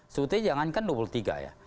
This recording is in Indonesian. sebetulnya jangankan dua puluh tiga ya